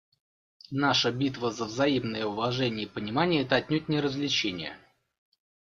Наша битва за взаимное уважение и понимание — это отнюдь не развлечение.